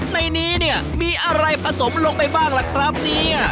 ในนี้เนี่ยมีอะไรผสมลงไปบ้างล่ะครับเนี่ย